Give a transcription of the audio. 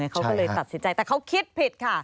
เขาก็เลยตัดสินใจแต่เขาคิดผิดค่ะ